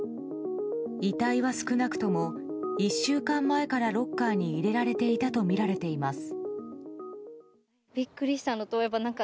遺体は少なくとも１週間前からロッカーに入れられていたとみられています。